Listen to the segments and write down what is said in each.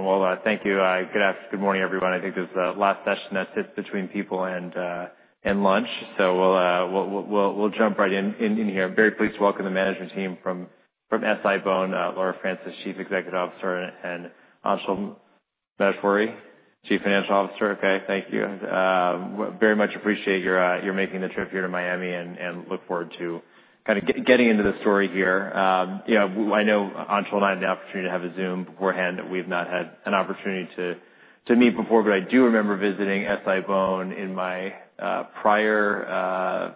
From all of that. Thank you. Good afternoon—good morning, everyone. I think this is the last session that sits between people and lunch. We'll jump right in here. I'm very pleased to welcome the management team from SI-BONE, Laura Francis, Chief Executive Officer, and Anshul Maheshwari, Chief Financial Officer. Okay. Thank you. Very much appreciate your making the trip here to Miami and look forward to kinda getting into the story here. You know, I know Anshul and I had the opportunity to have a Zoom beforehand. We've not had an opportunity to meet before, but I do remember visiting SI-BONE in my prior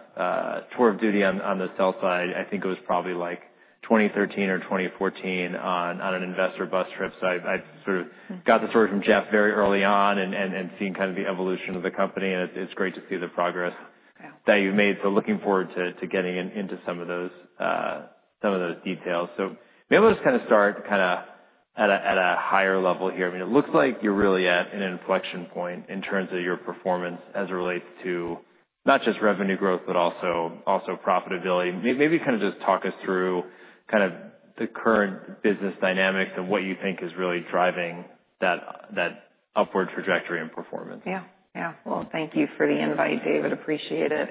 tour of duty on the sell side. I think it was probably like 2013 or 2014 on an investor bus trip. I've sort of got the story from Jeff very early on and seen kinda the evolution of the company. It's great to see the progress. Yeah. Looking forward to getting into some of those details. Maybe let's start at a higher level here. I mean, it looks like you're really at an inflection point in terms of your performance as it relates to not just revenue growth but also profitability. Maybe just talk us through the current business dynamics and what you think is really driving that upward trajectory in performance. Yeah. Yeah. Thank you for the invite, David. Appreciate it.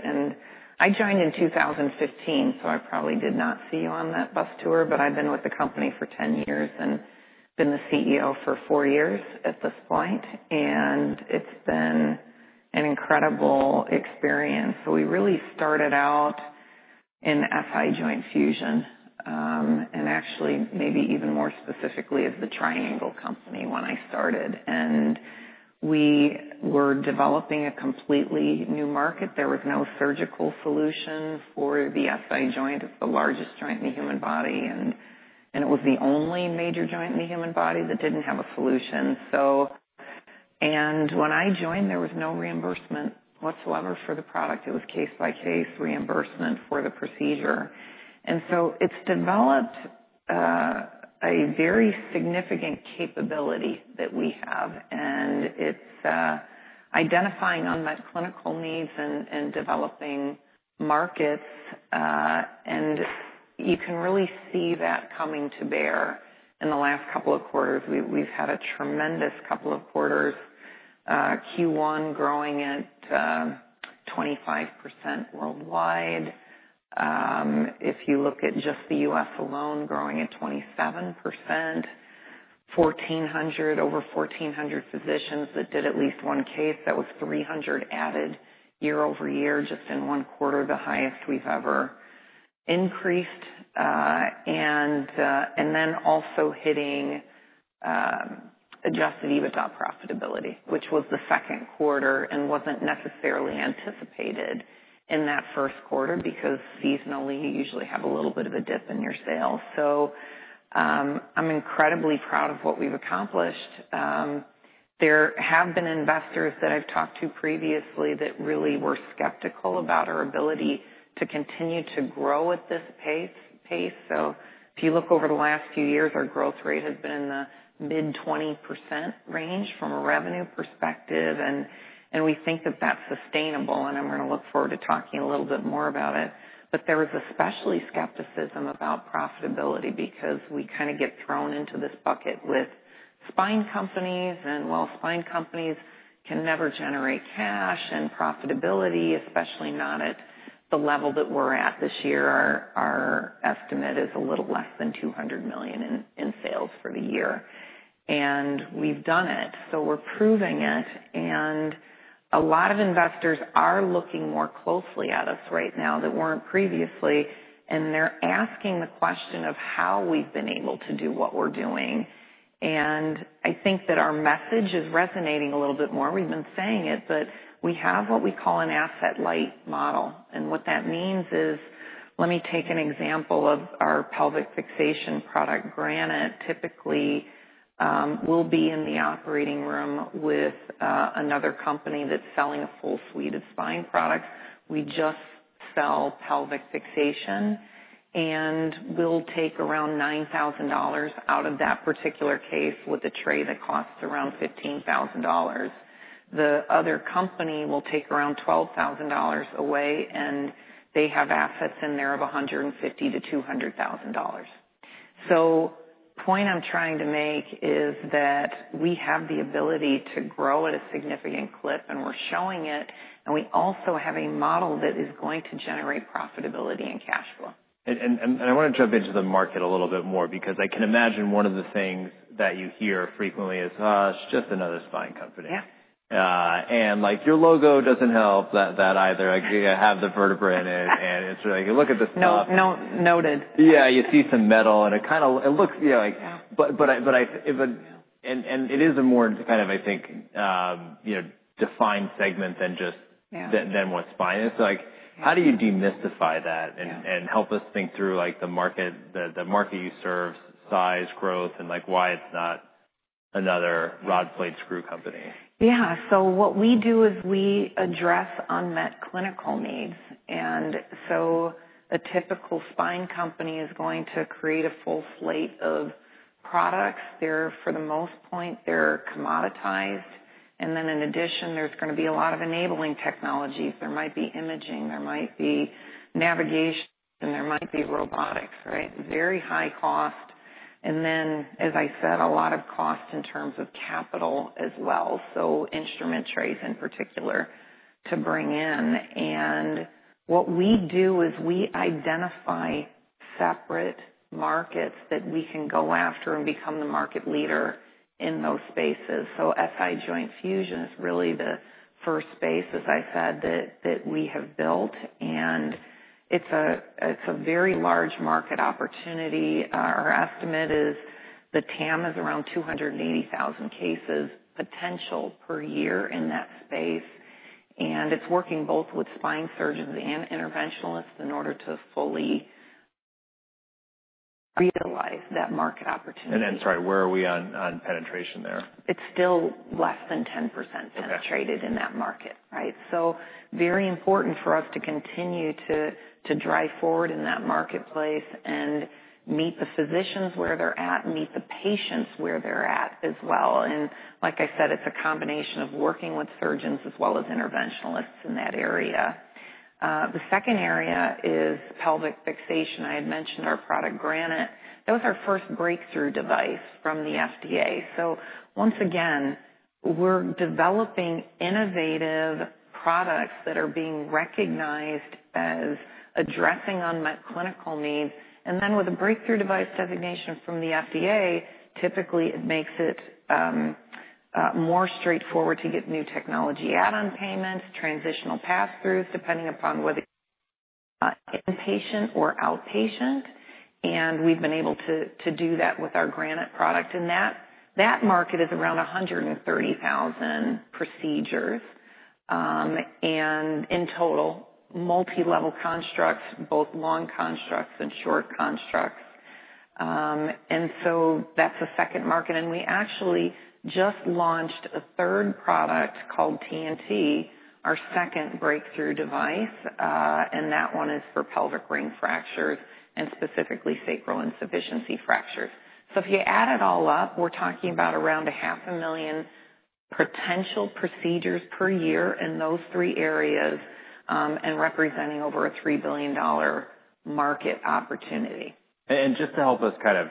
I joined in 2015, so I probably did not see you on that bus tour, but I've been with the company for 10 years and been the CEO for 4 years at this point. It's been an incredible experience. We really started out in SI Joint Fusion, and actually maybe even more specifically as the Triangle Company when I started. We were developing a completely new market. There was no surgical solution for the SI joint. It's the largest joint in the human body, and it was the only major joint in the human body that didn't have a solution. When I joined, there was no reimbursement whatsoever for the product. It was case-by-case reimbursement for the procedure. It's developed a very significant capability that we have. It's identifying unmet clinical needs and developing markets. You can really see that coming to bear in the last couple of quarters. We've had a tremendous couple of quarters, Q1 growing at 25% worldwide. If you look at just the U.S. alone, growing at 27%, over 1,400 physicians that did at least one case. That was 300 added year-over-year, just in one quarter, the highest we've ever increased. Also hitting adjusted EBITDA profitability, which was the second quarter and wasn't necessarily anticipated in that first quarter because seasonally, you usually have a little bit of a dip in your sales. I'm incredibly proud of what we've accomplished. There have been investors that I've talked to previously that really were skeptical about our ability to continue to grow at this pace. If you look over the last few years, our growth rate has been in the mid-20% range from a revenue perspective. We think that that's sustainable. I'm gonna look forward to talking a little bit more about it. There was especially skepticism about profitability because we kinda get thrown into this bucket with spine companies. Spine companies can never generate cash and profitability, especially not at the level that we're at this year. Our estimate is a little less than $200 million in sales for the year. We've done it. We're proving it. A lot of investors are looking more closely at us right now than weren't previously. They're asking the question of how we've been able to do what we're doing. I think that our message is resonating a little bit more. We've been saying it, but we have what we call an asset light model. And what that means is, let me take an example of our pelvic fixation product, Granite. Typically, we'll be in the operating room with another company that's selling a full suite of spine products. We just sell pelvic fixation. We'll take around $9,000 out of that particular case with a tray that costs around $15,000. The other company will take around $12,000 away. They have assets in there of $150,000-$200,000. The point I'm trying to make is that we have the ability to grow at a significant clip. We're showing it. We also have a model that is going to generate profitability and cash flow. I wanna jump into the market a little bit more because I can imagine one of the things that you hear frequently is, "It's just another spine company. Yeah. and, like, your logo does not help that, that either. Like, you have the vertebra in it. And it is like, "Look at this knob. No, no. Noted. Yeah. You see some metal. And it kinda, it looks, you know, like. Yeah. But, and it is a more kind of, I think, you know, defined segment than just. Yeah. Than what spine is. Like, how do you demystify that and help us think through, like, the market, the market you serve, size, growth, and, like, why it's not another rod, plate, screw company? Yeah. What we do is we address unmet clinical needs. A typical spine company is going to create a full slate of products. For the most part, they're commoditized. In addition, there's gonna be a lot of enabling technologies. There might be imaging. There might be navigation. There might be robotics, right? Very high cost. As I said, a lot of cost in terms of capital as well. Instrument trays in particular to bring in. What we do is we identify separate markets that we can go after and become the market leader in those spaces. SI Joint Fusion is really the first space, as I said, that we have built. It's a very large market opportunity. Our estimate is the TAM is around 280,000 cases potential per year in that space. It is working both with spine surgeons and interventionalists in order to fully realize that market opportunity. Sorry, where are we on penetration there? It's still less than 10% penetrated in that market, right? Very important for us to continue to drive forward in that marketplace and meet the physicians where they're at, meet the patients where they're at as well. Like I said, it's a combination of working with surgeons as well as interventionalists in that area. The second area is pelvic fixation. I had mentioned our product, Granite. That was our first breakthrough device from the FDA. Once again, we're developing innovative products that are being recognized as addressing unmet clinical needs. With a breakthrough device designation from the FDA, typically it makes it more straightforward to get new technology add-on payments, transitional pass-throughs depending upon whether inpatient or outpatient. We've been able to do that with our Granite product. That market is around 130,000 procedures, and in total, multi-level constructs, both long constructs and short constructs. That is a second market. We actually just launched a third product called TNT, our second breakthrough device. That one is for pelvic ring fractures and specifically sacral insufficiency fractures. If you add it all up, we're talking about around 500,000 potential procedures per year in those three areas, representing over a $3 billion market opportunity. And just to help us kind of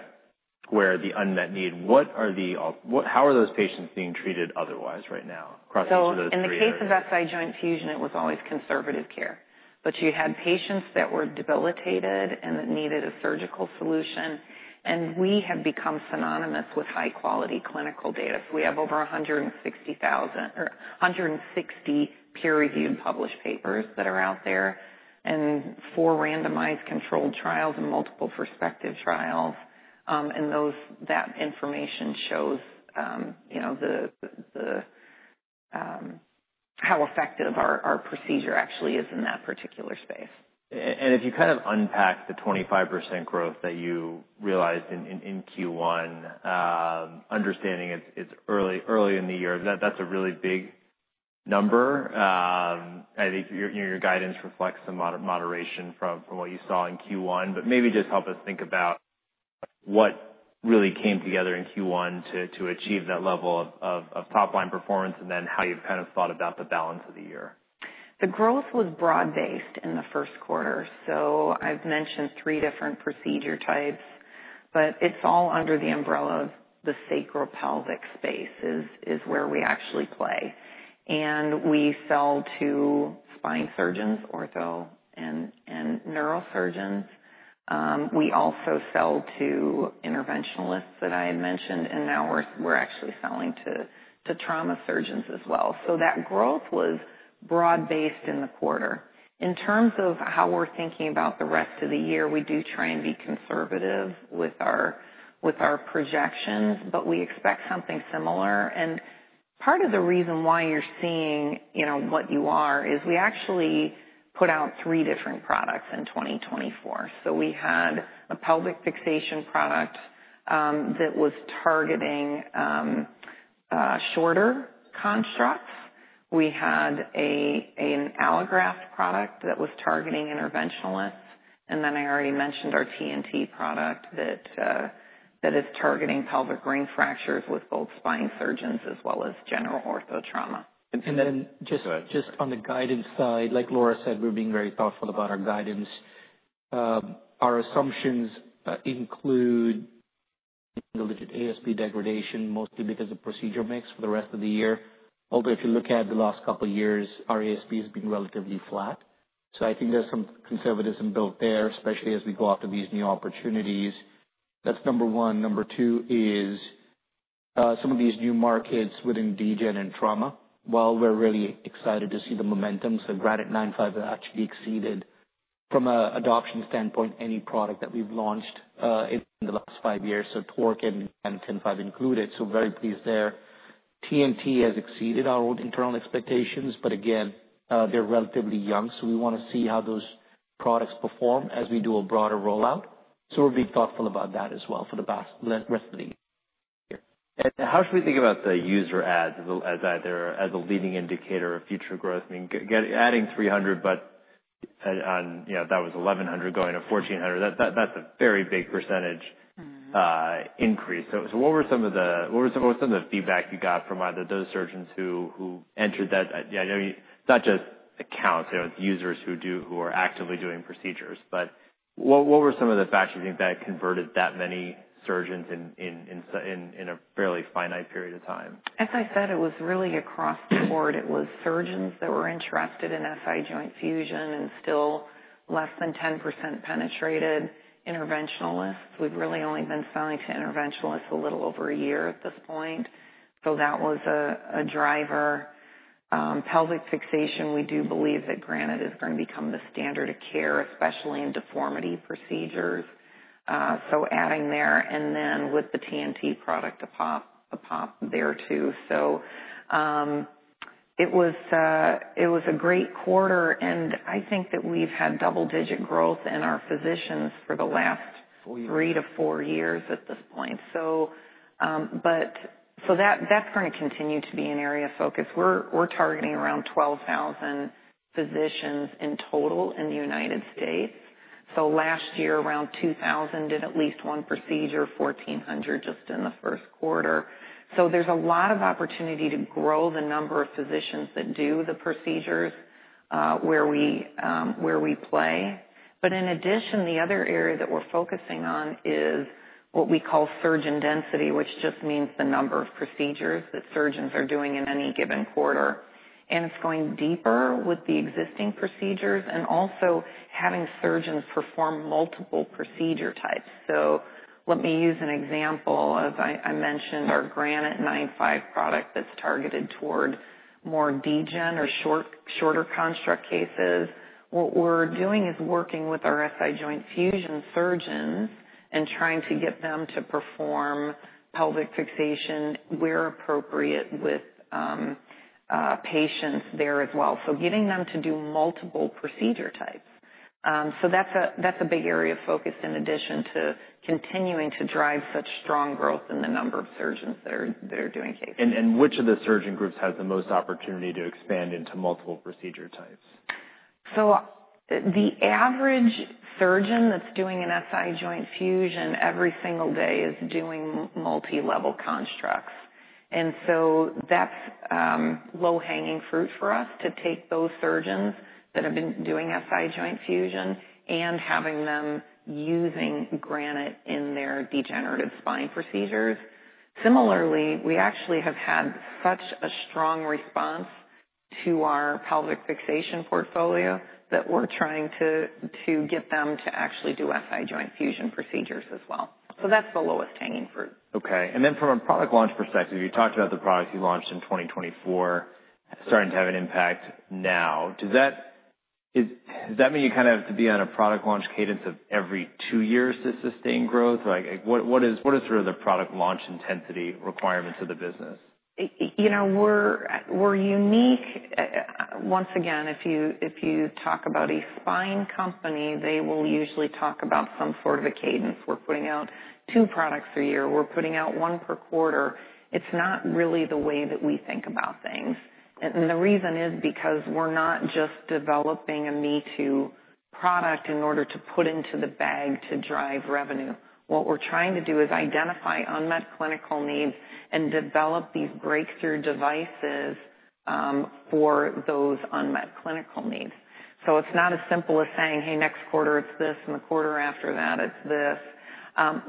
square the unmet need, what are the al what how are those patients being treated otherwise right now across each of those three areas? In the case of SI Joint Fusion, it was always conservative care. You had patients that were debilitated and that needed a surgical solution. We have become synonymous with high-quality clinical data. We have over 160,000 or 160 peer-reviewed published papers that are out there and four randomized controlled trials and multiple prospective trials. That information shows, you know, how effective our procedure actually is in that particular space. If you kind of unpack the 25% growth that you realized in Q1, understanding it's early in the year, that's a really big number. I think your guidance reflects some moderation from what you saw in Q1. Maybe just help us think about what really came together in Q1 to achieve that level of top-line performance and then how you've kind of thought about the balance of the year. The growth was broad-based in the first quarter. I have mentioned three different procedure types, but it is all under the umbrella of the sacral pelvic space, which is where we actually play. We sell to spine surgeons, ortho, and neurosurgeons. We also sell to interventionalists that I had mentioned. Now we are actually selling to trauma surgeons as well. That growth was broad-based in the quarter. In terms of how we are thinking about the rest of the year, we do try and be conservative with our projections, but we expect something similar. Part of the reason why you are seeing what you are is we actually put out three different products in 2024. We had a pelvic fixation product that was targeting shorter constructs. We had an allograft product that was targeting interventionalists. I already mentioned our TNT product that is targeting pelvic ring fractures with both spine surgeons as well as general ortho trauma. And then just on the guidance side, like Laura said, we're being very thoughtful about our guidance. Our assumptions include the legit ASB degradation, mostly because of procedure mix for the rest of the year. Although if you look at the last couple of years, our ASB has been relatively flat. I think there's some conservatism built there, especially as we go after these new opportunities. That's number one. Number two is, some of these new markets within dGen and trauma. While we're really excited to see the momentum, Granite 9.5 has actually exceeded, from an adoption standpoint, any product that we've launched in the last five years. TORQ and SI-BONE included, so very pleased there. TNT has exceeded our own internal expectations. Again, they're relatively young. We want to see how those products perform as we do a broader rollout. We're being thoughtful about that as well for the rest of the year. How should we think about the user ads as either as a leading indicator of future growth? I mean, adding 300, but, you know, that was 1,100 going to 1,400. That is a very big percentage. Mm-hmm. What were some of the feedback you got from either those surgeons who entered that? I know it's not just accounts. You know, it's users who are actively doing procedures. What were some of the facts you think that converted that many surgeons in a fairly finite period of time? As I said, it was really across the board. It was surgeons that were interested in SI Joint Fusion and still less than 10% penetrated interventionalists. We've really only been selling to interventionalists a little over a year at this point. That was a driver. Pelvic fixation, we do believe that Granite is gonna become the standard of care, especially in deformity procedures, so adding there. And then with the TNT product, a pop, a pop there too. It was a great quarter. I think that we've had double-digit growth in our physicians for the last. Four years. Three to four years at this point. That is going to continue to be an area of focus. We are targeting around 12,000 physicians in total in the United States. Last year, around 2,000 did at least one procedure, 1,400 just in the first quarter. There is a lot of opportunity to grow the number of physicians that do the procedures where we play. In addition, the other area that we are focusing on is what we call surgeon density, which just means the number of procedures that surgeons are doing in any given quarter. It is going deeper with the existing procedures and also having surgeons perform multiple procedure types. Let me use an example. I mentioned our Granite 9.5 product that is targeted toward more dGen or shorter construct cases. What we're doing is working with our SI Joint Fusion surgeons and trying to get them to perform pelvic fixation where appropriate with patients there as well. So getting them to do multiple procedure types. That's a big area of focus in addition to continuing to drive such strong growth in the number of surgeons that are doing cases. Which of the surgeon groups has the most opportunity to expand into multiple procedure types? The average surgeon that's doing an SI Joint Fusion every single day is doing multi-level constructs. That's low-hanging fruit for us to take those surgeons that have been doing SI Joint Fusion and have them using Granite in their degenerative spine procedures. Similarly, we actually have had such a strong response to our pelvic fixation portfolio that we're trying to get them to actually do SI Joint Fusion procedures as well. That's the lowest-hanging fruit. Okay. And then from a product launch perspective, you talked about the product you launched in 2024 starting to have an impact now. Does that, does that mean you kind of have to be on a product launch cadence of every two years to sustain growth? Like, like, what, what is, what is sort of the product launch intensity requirements of the business? You know, we're unique. Once again, if you talk about a spine company, they will usually talk about some sort of a cadence. We're putting out two products a year. We're putting out one per quarter. It's not really the way that we think about things. The reason is because we're not just developing a me-too product in order to put into the bag to drive revenue. What we're trying to do is identify unmet clinical needs and develop these breakthrough devices for those unmet clinical needs. It's not as simple as saying, "Hey, next quarter it's this, and the quarter after that it's this."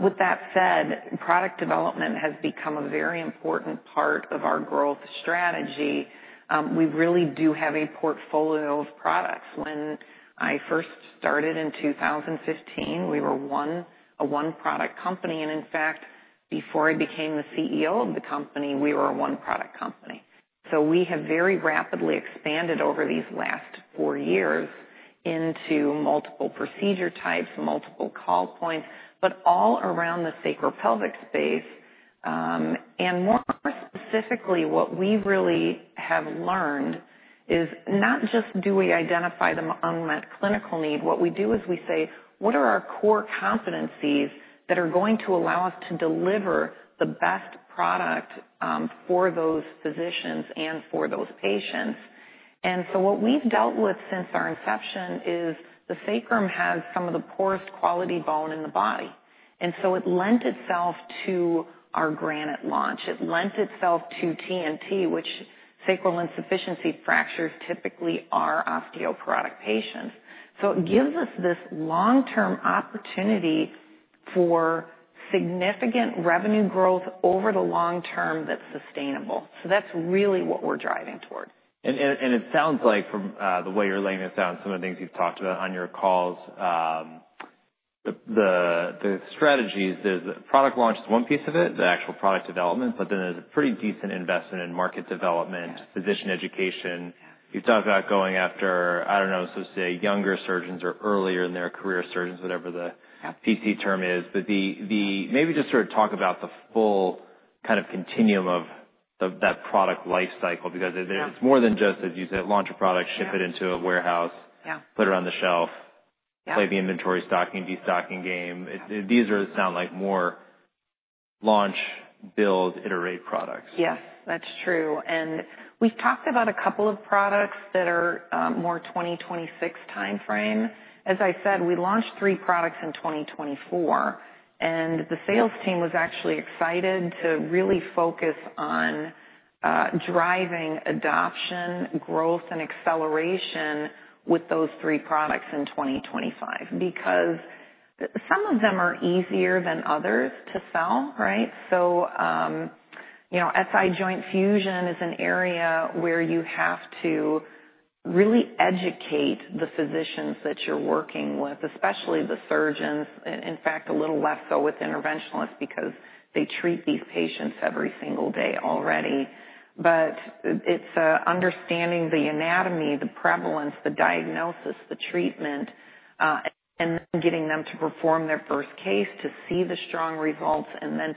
With that said, product development has become a very important part of our growth strategy. We really do have a portfolio of products. When I first started in 2015, we were a one-product company. In fact, before I became the CEO of the company, we were a one-product company. We have very rapidly expanded over these last four years into multiple procedure types, multiple call points, but all around the sacral pelvic space. More specifically, what we really have learned is not just do we identify the unmet clinical need. What we do is we say, "What are our core competencies that are going to allow us to deliver the best product, for those physicians and for those patients?" What we've dealt with since our inception is the sacrum has some of the poorest quality bone in the body. It lent itself to our Granite launch. It lent itself to TNT, which sacral insufficiency fractures typically are osteoporotic patients. It gives us this long-term opportunity for significant revenue growth over the long term that's sustainable. That's really what we're driving toward. It sounds like from the way you're laying this out and some of the things you've talked about on your calls, the strategies, there's the product launch is one piece of it, the actual product development. But then there's a pretty decent investment in market development. Yes. Physician education. Yes. You talked about going after, I don't know, so to say, younger surgeons or earlier in their career, surgeons, whatever the. Yep. PC term is. Maybe just sort of talk about the full kind of continuum of that product life cycle because it, it's more than just, as you said, launch a product, ship it into a warehouse. Yeah. Put it on the shelf. Yep. Play the inventory stocking, destocking game. These sound like more launch, build, iterate products. Yes. That's true. We've talked about a couple of products that are more 2026 timeframe. As I said, we launched three products in 2024. The sales team was actually excited to really focus on driving adoption, growth, and acceleration with those three products in 2025 because some of them are easier than others to sell, right? You know, SI Joint Fusion is an area where you have to really educate the physicians that you're working with, especially the surgeons. In fact, a little less so with interventionalists because they treat these patients every single day already. It's understanding the anatomy, the prevalence, the diagnosis, the treatment, and then getting them to perform their first case to see the strong results and then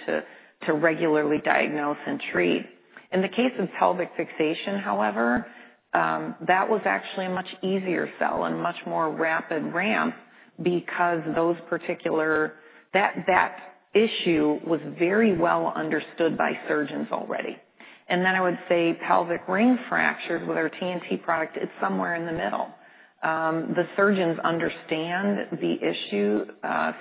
to regularly diagnose and treat. In the case of pelvic fixation, however, that was actually a much easier sell and much more rapid ramp because that issue was very well understood by surgeons already. I would say pelvic ring fractures with our TNT product, it's somewhere in the middle. The surgeons understand the issue,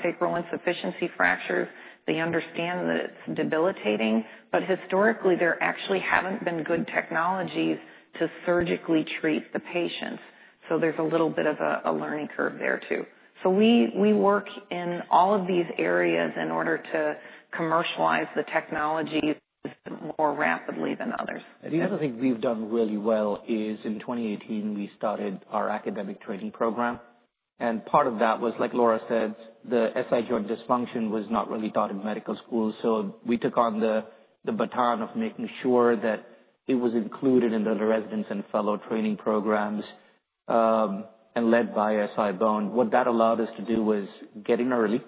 sacral insufficiency fractures. They understand that it's debilitating. Historically, there actually haven't been good technologies to surgically treat the patients. There is a little bit of a learning curve there too. We work in all of these areas in order to commercialize the technologies more rapidly than others. The other thing we've done really well is in 2018, we started our academic training program. Part of that was, like Laura said, the SI Joint dysfunction was not really taught in medical school. We took on the baton of making sure that it was included in the residents and fellow training programs, and led by SI-BONE. What that allowed us to do was get in early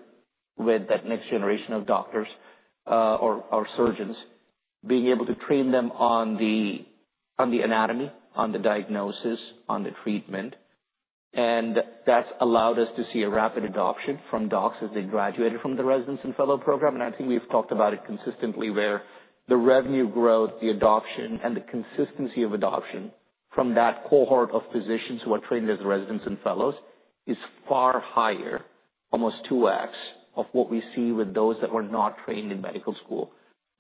with that next generation of doctors, or surgeons, being able to train them on the anatomy, on the diagnosis, on the treatment. That's allowed us to see a rapid adoption from docs as they graduated from the residents and fellow program. I think we've talked about it consistently where the revenue growth, the adoption, and the consistency of adoption from that cohort of physicians who are trained as residents and fellows is far higher, almost 2x, of what we see with those that were not trained in medical school.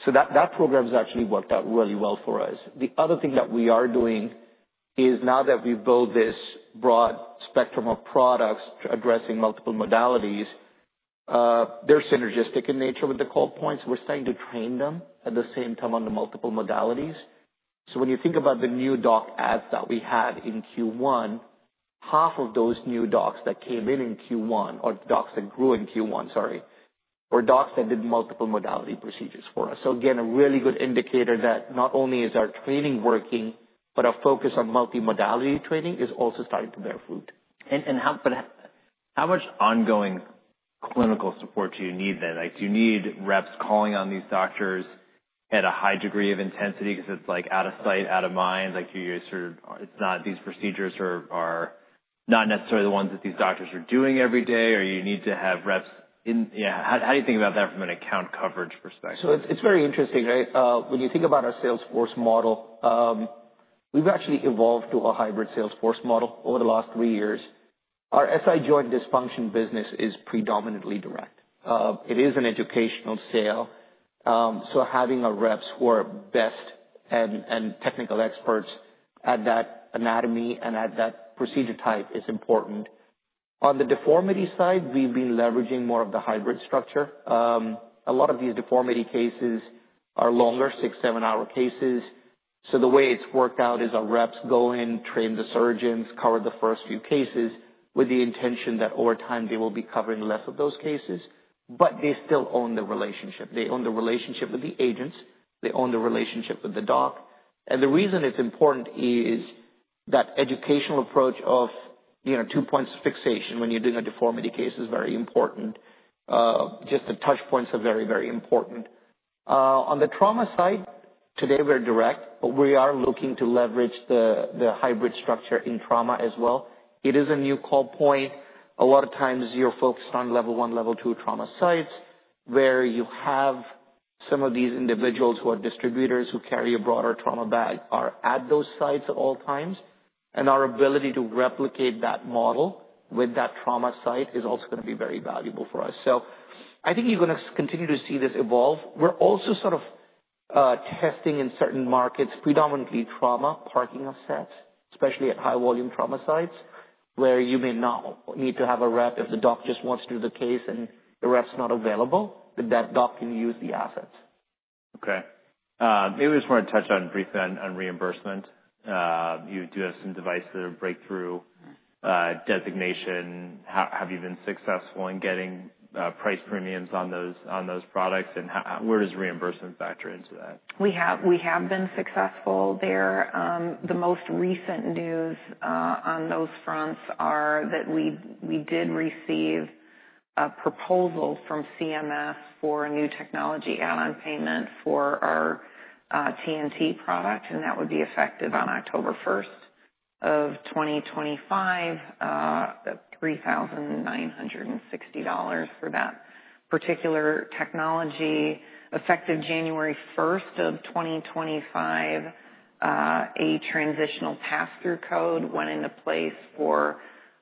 That program's actually worked out really well for us. The other thing that we are doing is now that we've built this broad spectrum of products addressing multiple modalities, they're synergistic in nature with the call points. We're starting to train them at the same time on the multiple modalities. When you think about the new doc ads that we had in Q1, half of those new docs that came in in Q1 or docs that grew in Q1, sorry, were docs that did multiple modality procedures for us. Again, a really good indicator that not only is our training working, but our focus on multi-modality training is also starting to bear fruit. And how, but how much ongoing clinical support do you need then? Like, do you need reps calling on these doctors at a high degree of intensity 'cause it's like out of sight, out of mind? Like, you're sort of, it's not these procedures are not necessarily the ones that these doctors are doing every day, or you need to have reps in, yeah. How do you think about that from an account coverage perspective? It's very interesting, right? When you think about our Salesforce model, we've actually evolved to a hybrid Salesforce model over the last three years. Our SI Joint dysfunction business is predominantly direct. It is an educational sale. Having our reps who are best and technical experts at that anatomy and at that procedure type is important. On the deformity side, we've been leveraging more of the hybrid structure. A lot of these deformity cases are longer, six, seven-hour cases. The way it's worked out is our reps go in, train the surgeons, cover the first few cases with the intention that over time they will be covering less of those cases. They still own the relationship. They own the relationship with the agents. They own the relationship with the doc. The reason it's important is that educational approach of, you know, two points of fixation when you're doing a deformity case is very important. Just the touch points are very, very important. On the trauma side, today we're direct, but we are looking to leverage the hybrid structure in trauma as well. It is a new call point. A lot of times you're focused on level one, level two trauma sites where you have some of these individuals who are distributors who carry a broader trauma bag are at those sites at all times. Our ability to replicate that model with that trauma site is also gonna be very valuable for us. I think you're gonna continue to see this evolve. We're also sort of testing in certain markets, predominantly trauma parking offsets, especially at high-volume trauma sites where you may not need to have a rep if the doc just wants to do the case and the rep's not available, that that doc can use the assets. Okay. Maybe we just want to touch on briefly on, on reimbursement. You do have some devices that are breakthrough designation. How, have you been successful in getting price premiums on those, on those products? And how, how, where does reimbursement factor into that? We have been successful there. The most recent news on those fronts are that we did receive a proposal from CMS for a new technology add-on payment for our TNT product. That would be effective on October 1st of 2025, $3,960 for that particular technology. Effective January 1st of 2025, a transitional pass-through code went into place for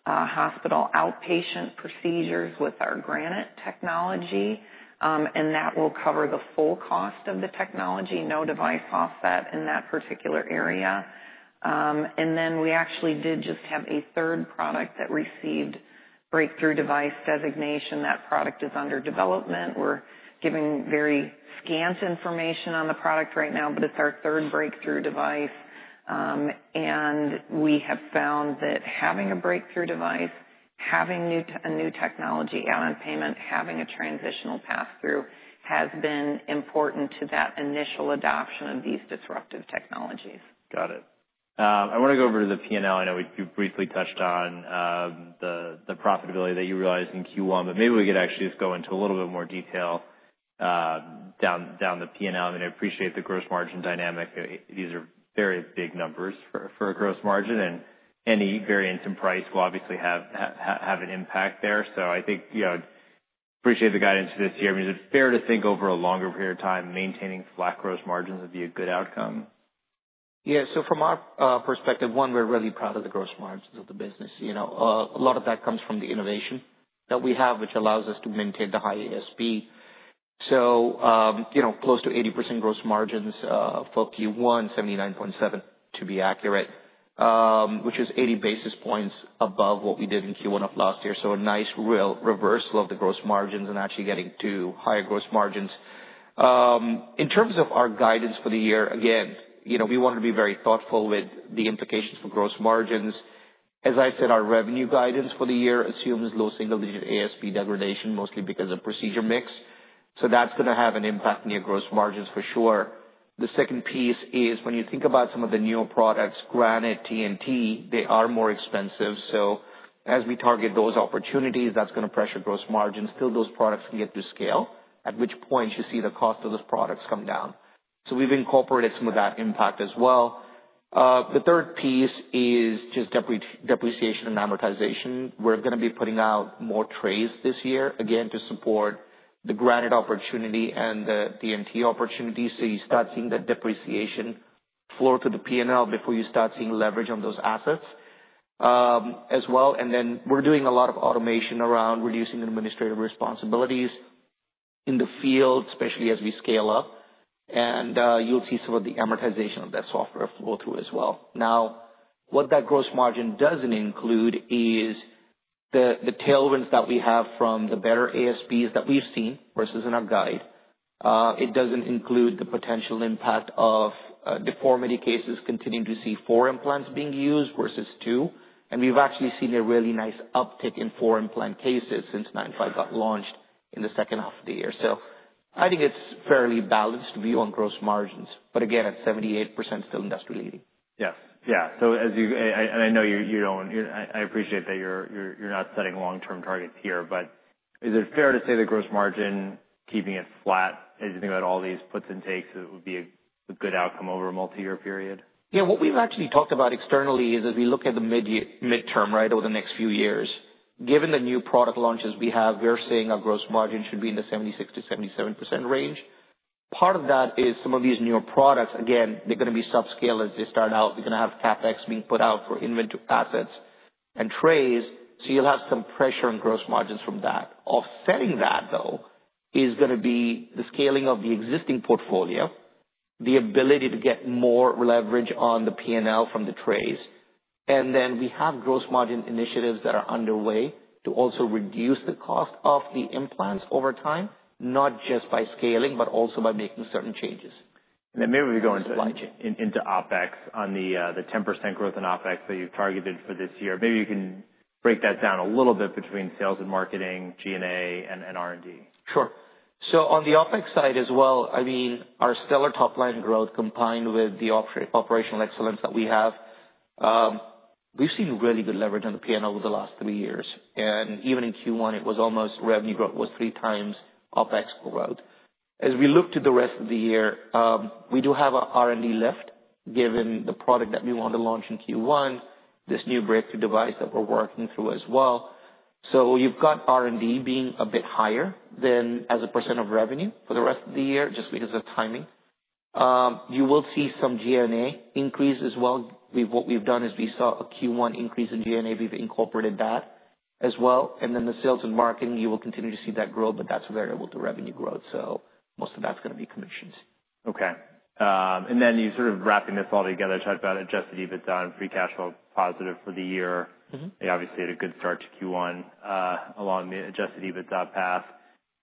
hospital outpatient procedures with our Granite technology. That will cover the full cost of the technology, no device offset in that particular area. We actually did just have a third product that received breakthrough device designation. That product is under development. We're giving very scant information on the product right now, but it's our third breakthrough device. and we have found that having a breakthrough device, having a new technology add-on payment, having a transitional pass-through has been important to that initial adoption of these disruptive technologies. Got it. I want to go over to the P&L. I know we briefly touched on the profitability that you realized in Q1, but maybe we could actually just go into a little bit more detail, down the P&L. I mean, I appreciate the gross margin dynamic. These are very big numbers for a gross margin. Any variance in price will obviously have an impact there. I think, you know, appreciate the guidance for this year. I mean, is it fair to think over a longer period of time maintaining flat gross margins would be a good outcome? Yeah. From our perspective, one, we're really proud of the gross margins of the business. You know, a lot of that comes from the innovation that we have, which allows us to maintain the high ASB. You know, close to 80% gross margins, for Q1, 79.7% to be accurate, which is 80 basis points above what we did in Q1 of last year. A nice real reversal of the gross margins and actually getting to higher gross margins. In terms of our guidance for the year, again, you know, we wanted to be very thoughtful with the implications for gross margins. As I said, our revenue guidance for the year assumes low single-digit ASB degradation, mostly because of procedure mix. That is going to have an impact near gross margins for sure. The second piece is when you think about some of the newer products, Granite, TNT, they are more expensive. As we target those opportunities, that is going to pressure gross margins. Still, those products can get to scale, at which point you see the cost of those products come down. We've incorporated some of that impact as well. The third piece is just depreciation and amortization. We're gonna be putting out more trays this year, again, to support the Granite opportunity and the TNT opportunity. You start seeing that depreciation flow to the P&L before you start seeing leverage on those assets, as well. We're doing a lot of automation around reducing administrative responsibilities in the field, especially as we scale up. You'll see some of the amortization of that software flow through as well. Now, what that gross margin doesn't include is the tailwinds that we have from the better ASBs that we've seen versus in our guide. It doesn't include the potential impact of deformity cases continuing to see four implants being used versus two. We've actually seen a really nice uptick in four implant cases since 9.5 got launched in the second half of the year. I think it's a fairly balanced view on gross margins. Again, at 78%, still industry leading. Yeah. Yeah. As you and I know, I appreciate that you're not setting long-term targets here. Is it fair to say the gross margin, keeping it flat, as you think about all these puts and takes, that it would be a good outcome over a multi-year period? Yeah. What we've actually talked about externally is as we look at the midterm, right, over the next few years, given the new product launches we have, we're seeing our gross margin should be in the 76%-77% range. Part of that is some of these newer products, again, they're gonna be subscale as they start out. We're gonna have CapEx being put out for inventory assets and trays. You will have some pressure on gross margins from that. Offsetting that, though, is gonna be the scaling of the existing portfolio, the ability to get more leverage on the P&L from the trays. We have gross margin initiatives that are underway to also reduce the cost of the implants over time, not just by scaling, but also by making certain changes. And then maybe we go into. That's the budget. In, into OpEx on the 10% growth in OpEx that you've targeted for this year. Maybe you can break that down a little bit between sales and marketing, G&A, and R&D. Sure. On the OpEx side as well, I mean, our stellar top-line growth combined with the operational excellence that we have, we've seen really good leverage on the P&L over the last three years. Even in Q1, it was almost revenue growth was 3x OpEx growth. As we look to the rest of the year, we do have our R&D left given the product that we want to launch in Q1, this new breakthrough device that we're working through as well. You have R&D being a bit higher than as a percent of revenue for the rest of the year just because of timing. You will see some G&A increase as well. What we've done is we saw a Q1 increase in G&A. We've incorporated that as well. The sales and marketing, you will continue to see that grow, but that's variable to revenue growth. Most of that's gonna be commissions. Okay. And then you sort of wrapping this all together, talked about adjusted EBITDA and free cash flow positive for the year. Mm-hmm. Obviously, at a good start to Q1, along the adjusted EBITDA path.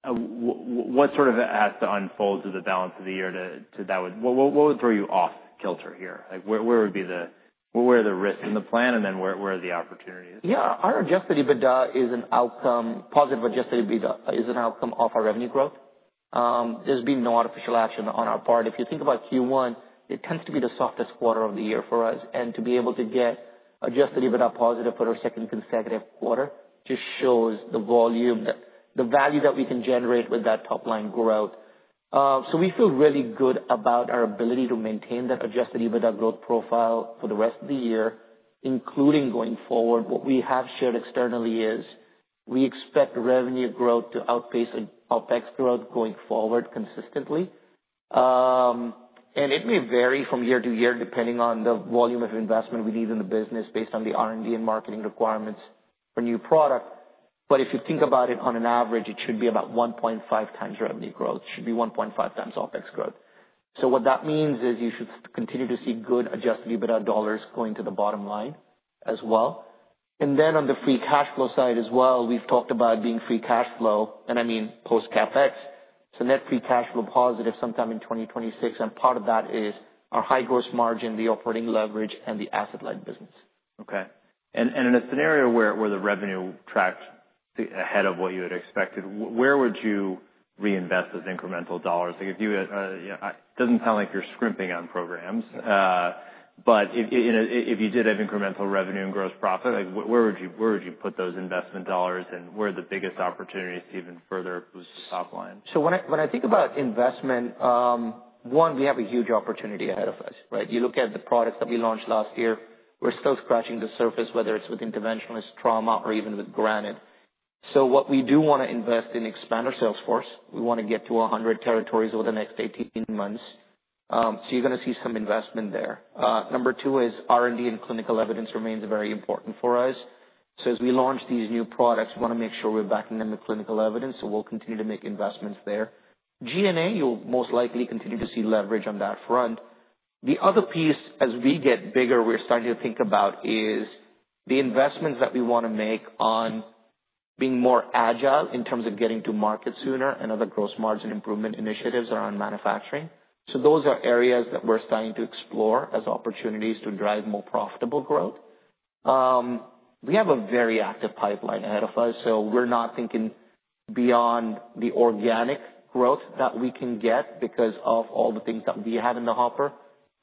What sort of has to unfold to the balance of the year to, to that would, what would throw you off kilter here? Like, where would be the, where are the risks in the plan? And then where are the opportunities? Yeah. Our adjusted EBITDA is an outcome. Positive adjusted EBITDA is an outcome of our revenue growth. There's been no artificial action on our part. If you think about Q1, it tends to be the softest quarter of the year for us. To be able to get adjusted EBITDA positive for our second consecutive quarter just shows the volume, the value that we can generate with that top-line growth. We feel really good about our ability to maintain that adjusted EBITDA growth profile for the rest of the year, including going forward. What we have shared externally is we expect revenue growth to outpace OpEx growth going forward consistently. It may vary from year to year depending on the volume of investment we need in the business based on the R&D and marketing requirements for new product. If you think about it on an average, it should be about 1.5x revenue growth. It should be 1.5x OpEx growth. What that means is you should continue to see good adjusted EBITDA dollars going to the bottom line as well. On the free cash flow side as well, we've talked about being free cash flow, and I mean post-CapEx. Net free cash flow positive sometime in 2026. Part of that is our high gross margin, the operating leverage, and the asset-like business. Okay. In a scenario where the revenue tracked ahead of what you had expected, where would you reinvest those incremental dollars? Like, if you had, you know, it doesn't sound like you're scrimping on programs, but if you did have incremental revenue and gross profit, where would you put those investment dollars? And where are the biggest opportunities to even further boost the top line? When I think about investment, one, we have a huge opportunity ahead of us, right? You look at the products that we launched last year. We're still scratching the surface, whether it's with interventionalists, trauma, or even with Granite. What we do want to invest in is expand our sales force. We want to get to 100 territories over the next 18 months, so you're gonna see some investment there. Number two is R&D and clinical evidence remains very important for us. As we launch these new products, we want to make sure we're backing them with clinical evidence. We'll continue to make investments there. G&A, you'll most likely continue to see leverage on that front. The other piece, as we get bigger, we're starting to think about is the investments that we want to make on being more agile in terms of getting to market sooner and other gross margin improvement initiatives around manufacturing. Those are areas that we're starting to explore as opportunities to drive more profitable growth. We have a very active pipeline ahead of us. We're not thinking beyond the organic growth that we can get because of all the things that we have in the hopper.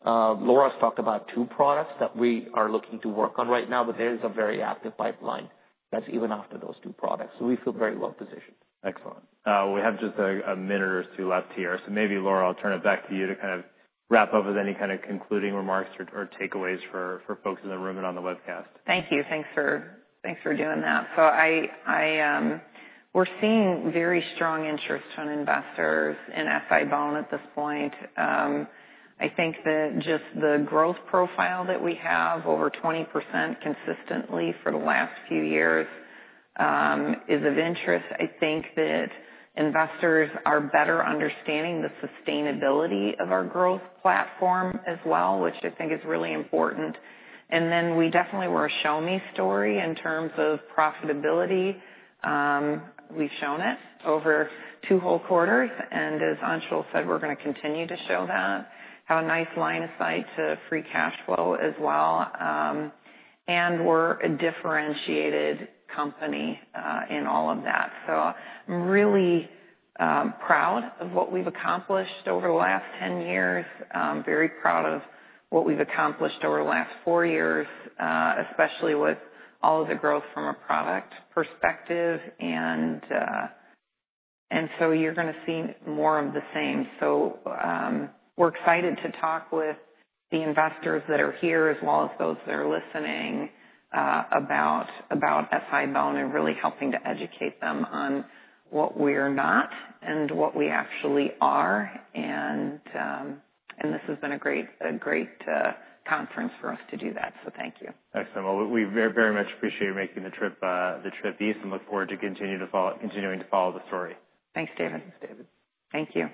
Laura's talked about two products that we are looking to work on right now, but there is a very active pipeline that's even after those two products. We feel very well positioned. Excellent. We have just a minute or two left here. Maybe, Laura, I'll turn it back to you to kind of wrap up with any kind of concluding remarks or takeaways for folks in the room and on the webcast. Thank you. Thanks for, thanks for doing that. I, we're seeing very strong interest from investors in SI-BONE at this point. I think that just the growth profile that we have, over 20% consistently for the last few years, is of interest. I think that investors are better understanding the sustainability of our growth platform as well, which I think is really important. We definitely were a show me story in terms of profitability. We've shown it over two whole quarters. As Anshul said, we're gonna continue to show that, have a nice line of sight to free cash flow as well. We're a differentiated company in all of that. I'm really proud of what we've accomplished over the last 10 years. Very proud of what we've accomplished over the last four years, especially with all of the growth from a product perspective. And, and so you're gonna see more of the same. We're excited to talk with the investors that are here as well as those that are listening, about, about SI-BONE and really helping to educate them on what we're not and what we actually are. And, and this has been a great, a great conference for us to do that. Thank you. Excellent. We very, very much appreciate you making the trip east and look forward to continuing to follow the story. Thanks, David. Thanks, David. Thank you.